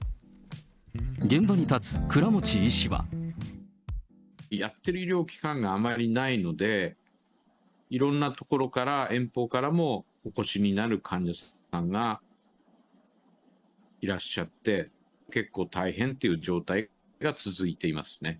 現場に立つ、やっている医療機関があまりないので、いろんな所から、遠方からも、お越しになる患者さんがいらっしゃって、結構大変という状態が続いていますね。